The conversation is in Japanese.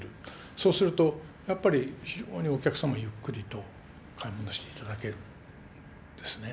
そうするとやっぱり非常にお客様ゆっくりと買い物して頂けるんですね。